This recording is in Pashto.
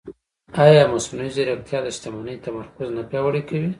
ایا مصنوعي ځیرکتیا د شتمنۍ تمرکز نه پیاوړی کوي؟